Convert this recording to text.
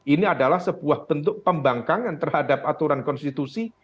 ini adalah sebuah bentuk pembangkangan terhadap aturan konstitusi